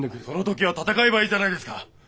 その時は戦えばいいじゃないですか。